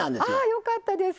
あよかったです。